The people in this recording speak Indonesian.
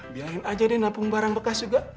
biarin aja deh napung barang bekas juga